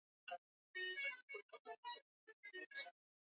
Kueshimika kwa mutu kunatokana na kazi na mutu ye peke pia